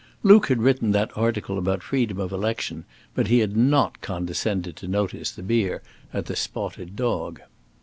Luke had written that article about freedom of election, but he had not condescended to notice the beer at the Spotted Dog.